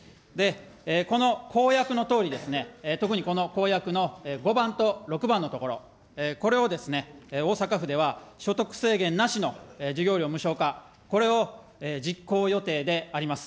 この公約のとおりですね、特にこの公約の５番と６番のところ、これを大阪府では所得制限なしの授業料無償化、これを実行予定であります。